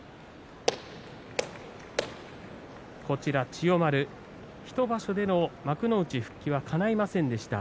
千代丸、１場所での幕内復帰はかないませんでした。